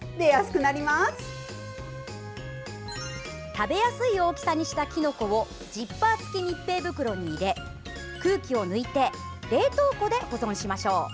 食べやすい大きさにしたきのこをジッパー付き密閉袋に入れ空気を抜いて冷凍庫で保存しましょう。